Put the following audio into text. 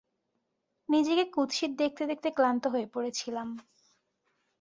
নিজেকে কুৎসিত দেখতে দেখতে ক্লান্ত হয়ে পড়েছিলাম।